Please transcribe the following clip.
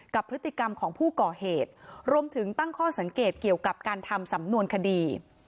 กับพฤติกรรมของผู้ก่อเหตุรวมถึงตั้งข้อสังเกตเกี่ยวกับการทำสำนวนคดี